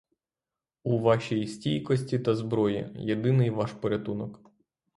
У вашій стійкості та зброї — єдиний ваш порятунок!